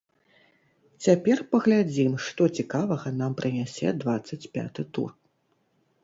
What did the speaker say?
Цяпер паглядзім, што цікавага нам прынясе дваццаць пяты тур!